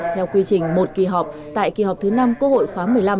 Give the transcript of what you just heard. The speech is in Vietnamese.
theo quy trình một kỳ họp tại kỳ họp thứ năm quốc hội khóa một mươi năm